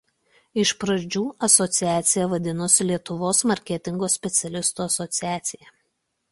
Iš pradžių asociacija vadinosi Lietuvos Marketingo specialistų asociacija.